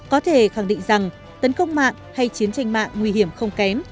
có thể khẳng định rằng tấn công mạng hay chiến tranh mạng nguy hiểm không kém